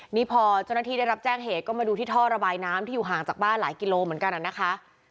นี่พอเจ้าหน้าที่ได้รับแจ้งเหตุก็มาดูที่ท่อระบายน้ำที่อยู่ห่างจากบ้านหลายกิโลเหมือนกันนะคะ